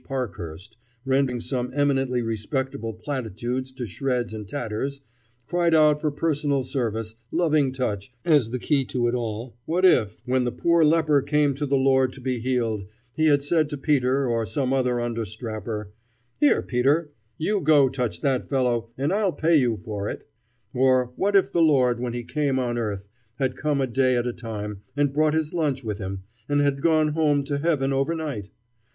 Parkhurst, rending some eminently respectable platitudes to shreds and tatters, cried out for personal service, loving touch, as the key to it all: "What if, when the poor leper came to the Lord to be healed, he had said to Peter, or some other understrapper, 'Here, Peter, you go touch that fellow and I'll pay you for it'? Or what if the Lord, when he came on earth, had come a day at a time and brought his lunch with him, and had gone home to heaven overnight?